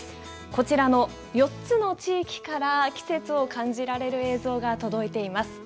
こちらの４つの地域から季節を感じられる映像が届いています。